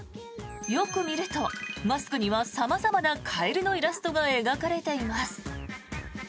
よく見ると、マスクには様々なカエルのイラストが描かれています。